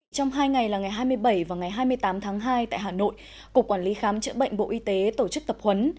trong hai ngày là ngày hai mươi bảy và ngày hai mươi tám tháng hai tại hà nội cục quản lý khám chữa bệnh bộ y tế tổ chức tập huấn